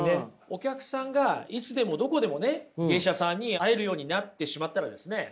お客さんがいつでもどこでもね芸者さんに会えるようになってしまったらですね